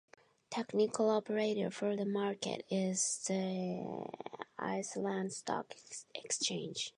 Technical operator for the market is the Iceland Stock Exchange.